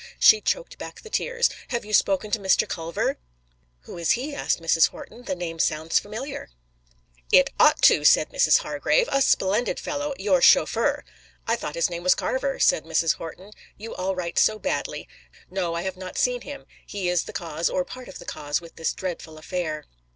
She choked back the tears. "Have you spoken to Mr. Culver?" "Who is he?" asked Mrs. Horton. "The name sounds familiar." "It ought to!" said Mrs. Hargrave. "A splendid fellow your chauffeur." "I thought his name was Carver," said Mrs. Horton. "You all write so badly. No, I have not seen him; he is the cause, or part of the cause of this dreadful affair."